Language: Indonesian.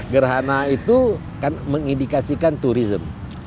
gerhana itu kan mengindikasikan turisme